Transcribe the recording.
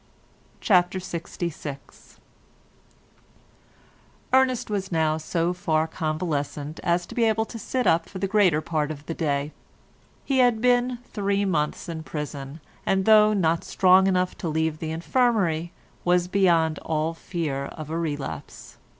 CHAPTER LXVI Ernest was now so far convalescent as to be able to sit up for the greater part of the day. He had been three months in prison, and, though not strong enough to leave the infirmary, was beyond all fear of a relapse.